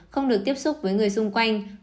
không được tiếp xúc với người dùng vaccine